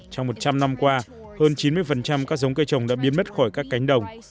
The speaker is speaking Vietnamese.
trong một trăm linh năm qua hơn chín mươi các giống cây trồng đã biến mất khỏi các cánh đồng